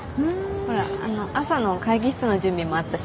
ほら朝の会議室の準備もあったしね。